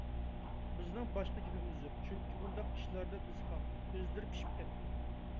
بىزنىڭ باشقا گېپىمىز يوق. چۈنكى، بۇنداق ئىشلاردا بىز خام، ئۆزلىرى پىشىپ كەتكەن.